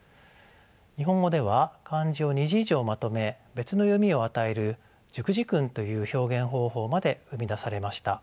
日本語では漢字を２字以上まとめ別の読みを与える熟字訓という表現方法まで生み出されました。